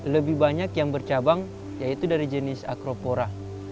lebih banyak yang bercabang yaitu dari jenis acropora